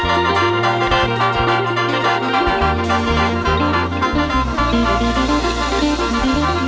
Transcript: ขายหน้าต้องเด็ดเจ็บดี